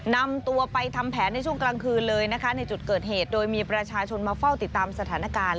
นำตัวไปทำแผนในช่วงกลางคืนเลยนะคะในจุดเกิดเหตุโดยมีประชาชนมาเฝ้าติดตามสถานการณ์